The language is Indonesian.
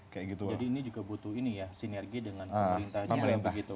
jadi ini juga butuh ini ya sinergi dengan pemerintah juga gitu